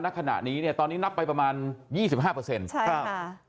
ณขณะนี้เนี่ยตอนนี้นับไปประมาณยี่สิบห้าเปอร์เซ็นต์ใช่ครับ